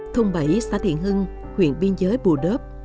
thùng bảy xã thiện hưng huyện biên giới bù đớp